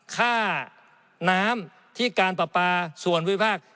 ค่าน้ำที่การประปาส่วนวิภาค